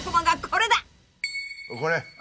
これ。